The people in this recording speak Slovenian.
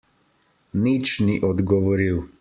Nič ni odgovoril.